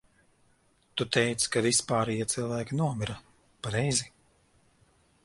Tu teici, ka visi pārējie cilvēki nomira, pareizi?